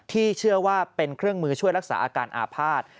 เชื่อว่าเป็นเครื่องมือช่วยรักษาอาการอาภาษณ์